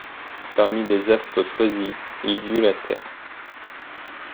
Parmi les astres choisis, il y eut la Terre.